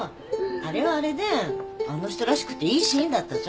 あれはあれであの人らしくていいシーンだったじゃん。